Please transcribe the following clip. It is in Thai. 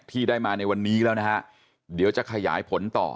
ที่ได้มาในวันนี้แล้วนะฮะเดี๋ยวจะขยายผลต่อ